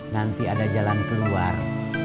nanti ada jalan keluar